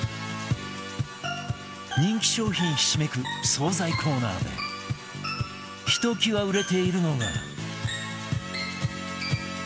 人気商品ひしめく惣菜コーナーでひときわ売れているのが